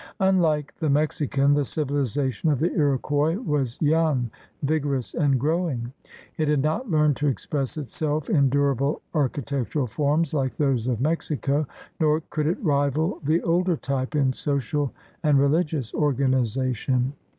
Unlike the Mexican, the civili zation of the Iroquois was young, vigorous, and growing. It had not learned to express itself in durable architectural forms like those of Mexico, nor could it rival the older type in social and religious organization.